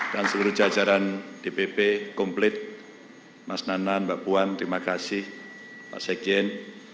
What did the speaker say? dan seluruh jajaran dpp komplit mas nanan mbak puan terima kasih pak sekien